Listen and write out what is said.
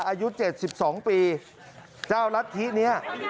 อายุ๗๒ปีเจ้ารัฐธินี้